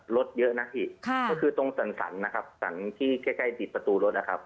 รถเยอะนะพี่ค่ะก็คือตรงสันสันนะครับสันที่ใกล้ใกล้ติดประตูรถนะครับ